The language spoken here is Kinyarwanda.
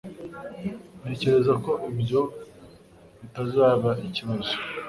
Ntekereza ko ibyo bitazaba ikibazo.